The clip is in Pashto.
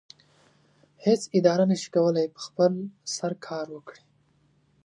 هیڅ اداره نشي کولی په خپل سر کار وکړي.